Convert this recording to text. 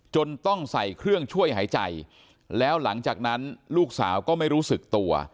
ต้องใส่เครื่องช่วยหายใจแล้วหลังจากนั้นลูกสาวก็ไม่รู้สึกตัว